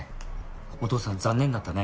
お父さん残念だったね。